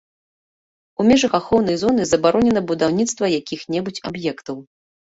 У межах ахоўнай зоны забаронена будаўніцтва якіх-небудзь аб'ектаў.